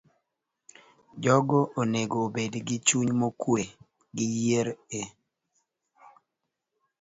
Jogo onego obed gi chuny mokuwe, giyier e